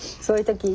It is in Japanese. そういう時